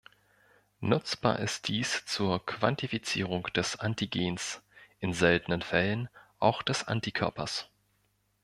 Nutzbar ist dies zur Quantifizierung des Antigens, in seltenen Fällen auch des Antikörpers.